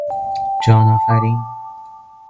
جان آفرین